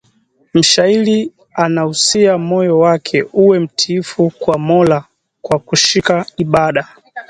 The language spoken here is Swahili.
Mshairi anausia moyo wake uwe mtiifu kwa Mola kwa kushika ibada